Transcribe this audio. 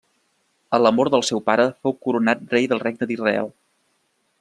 A la mort del seu pare fou coronat rei del Regne d'Israel.